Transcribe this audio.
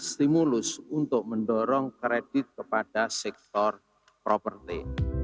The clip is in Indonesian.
stimulus untuk mendorong kredit kepada sektor properti